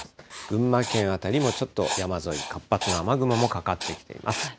群馬県辺りもちょっと山沿い、活発な雨雲もかかってきています。